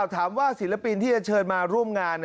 ถามว่าศิลปินที่เชิญมาร่วมงาน